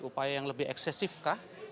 upaya yang lebih eksesif kah